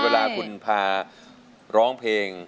เวลาคุณพาร้องเพลง